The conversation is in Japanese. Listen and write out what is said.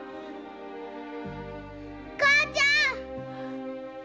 母ちゃん！